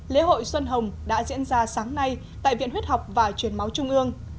lễ hội xuân hồng đã diễn ra sáng nay tại viện huyết học và truyền máu trung ương